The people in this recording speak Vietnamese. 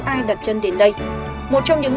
ai đặt chân đến đây một trong những